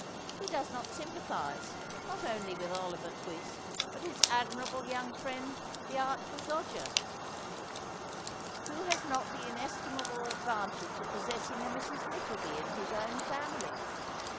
Who does not sym pathize, not only with Oliver Twist, but his ad mirable young friend, the Artful Dodger ? WTio 214 THACKERAY has not the inestimable advantage of possessing a Mrs. Niekleby in his own family?